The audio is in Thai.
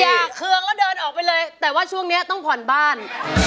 อย่าเคืองแล้วเดินออกไปเลยแต่ว่าช่วงนี้ต้องผ่อนบ้าน